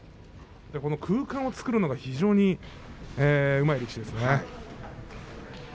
空間を作るのが非常にうまい力士ですね。